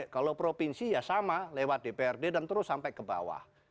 kalau provinsi ya sama lewat dprd dan terus sampai ke bawah